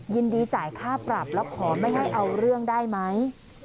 ยินดีจ่ายค่าปรับแล้วขอไม่ให้เอาเรื่องได้ไหม